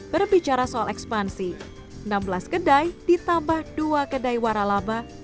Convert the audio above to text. berbicara soal ekspansi enam belas kedai ditambah dua kedai waralaba